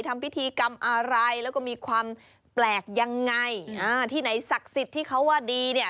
ทำพิธีกรรมอะไรแล้วก็มีความแปลกยังไงอ่าที่ไหนศักดิ์สิทธิ์ที่เขาว่าดีเนี่ย